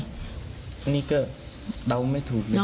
อันนี้ก็เดาไม่ถูกเลย